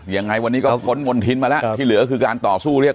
ยังไงวันนี้ก็พ้นมณฑินมาแล้วที่เหลือก็คือการต่อสู้เรียก